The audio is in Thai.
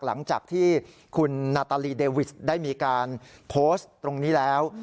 หลังจากที่คุณนาตาลีเดวิสได้มีการโพสต์ตรงนี้แล้ว